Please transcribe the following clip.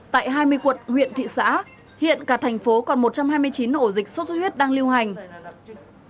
tại hai mươi quận huyện thị xã hiện cả thành phố còn một trăm hai mươi chín ổ dịch sốt xuất huyết đang lưu hành